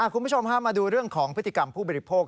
คุณผู้ชมมาดูเรื่องของพฤติกรรมผู้บริโภค